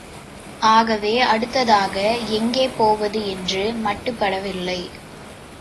ஆகவே, அடுத்ததாக எங்கே போவது என்று மட்டுப்படவில்லை.